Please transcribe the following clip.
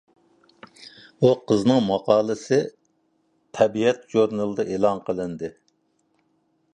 ئۇ قىزنىڭ ماقالىسى «تەبىئەت» ژۇرنىلىدا ئېلان قىلىندى.